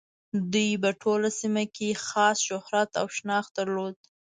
دوی په ټوله سیمه کې یې خاص شهرت او شناخت درلود.